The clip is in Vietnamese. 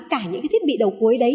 cả những cái thiết bị đầu cuối đấy